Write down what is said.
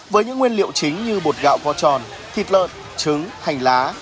với những nguyên liệu chính như bột gạo kho tròn thịt lợn trứng hành lá